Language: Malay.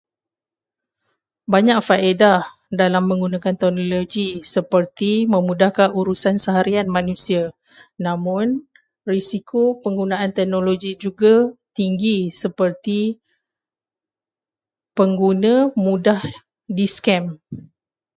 "Banyak faedah dalam menggunakan teknologi seperti memudahkan urusan seharian manusia. Namun, risiko penggunaan teknologi juga tinggi seperti pengguna mudah di ""scam""."